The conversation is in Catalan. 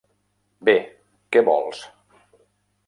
Bé, què vols?